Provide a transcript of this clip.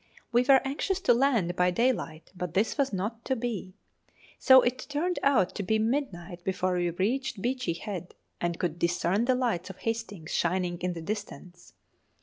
We were anxious to land by daylight, but this was not to be. So it turned out to be midnight before we reached Beachy Head and could discern the lights of Hastings shining in the distance.